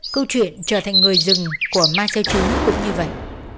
câu chuyện trở thành người rừng của marcel chứ cũng như vậy